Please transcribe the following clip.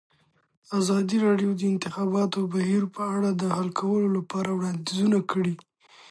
ازادي راډیو د د انتخاباتو بهیر په اړه د حل کولو لپاره وړاندیزونه کړي.